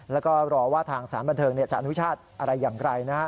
แล้วก็รอว่าทางสารบันเทิงจะอนุญาตอะไรอย่างไรนะครับ